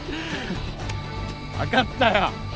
分かったよ。